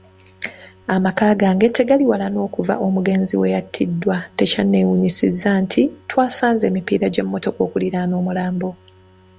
Amaka gange tegali wala n'okuva omugenzi we yattiddwa, tekyannewunyisizza nti twasanze emipiira gy'emmotoka okuliraana omulambo.